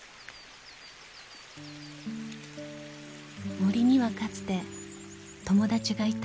［森にはかつて友達がいた］